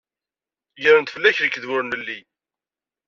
Gren-d fell-ak lekdeb ur nelli.